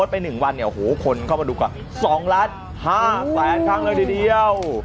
ไป๑วันเนี่ยโอ้โหคนเข้ามาดูกว่า๒ล้าน๕แสนครั้งเลยทีเดียว